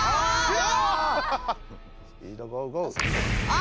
あ！